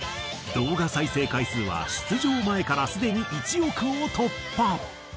動画再生回数は出場前からすでに１億を突破。